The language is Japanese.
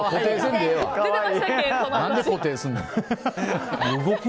何で固定するの。